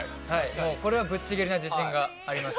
これはぶっちぎりな自信があります。